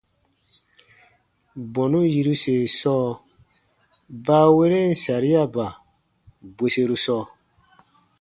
Bɔnu yiruse sɔɔ baaweren sariaba bweseru sɔɔ.